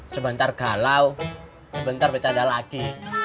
sebentar galau sebentar bercanda lagi